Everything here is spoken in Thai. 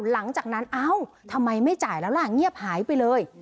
หลังจากนั้นเอ้าทำไมไม่จ่ายแล้วล่ะเงียบหายไปเลย